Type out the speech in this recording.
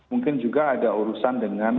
mungkin juga ada urusan dengan